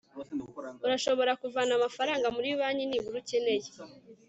urashobora kuvana amafaranga muri banki, niba ukeneye